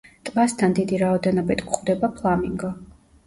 ტბასთან დიდი რაოდენობით გვხვდება ფლამინგო.